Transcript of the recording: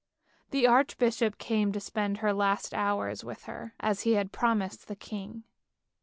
The archbishop came to spend her last hours with her as he had promised the king.